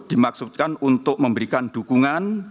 dimaksudkan untuk memberikan dukungan